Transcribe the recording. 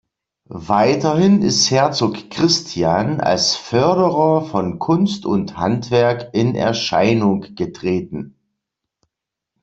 Weiterhin ist Herzog Christian als Förderer von Kunst und Handwerk in Erscheinung getreten.